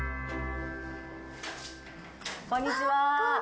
こんにちは。